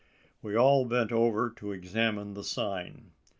We all bent over to examine the sign.